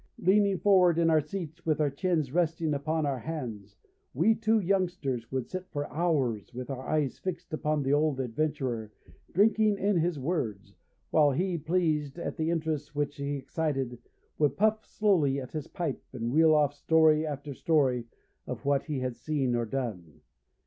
Leaning forward in our seats with our chins resting upon our hands, we two youngsters would sit for hours, with our eyes fixed upon the old adventurer, drinking in his words, while he, pleased at the interest which he excited, would puff slowly at his pipe and reel off story after story of what he had seen or done.